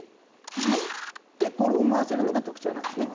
何？って思わせるのが特徴なんですね。